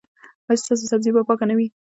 ایا ستاسو سبزي به پاکه نه وي؟